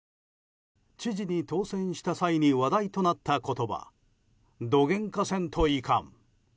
知事に当選した際に話題となった言葉どげんかせんといかん。